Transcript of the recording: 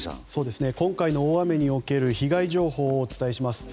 今回の大雨における被害情報をお伝えします。